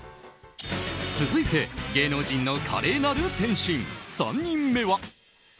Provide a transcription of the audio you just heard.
続いて、芸能人の華麗なる転身３人目は。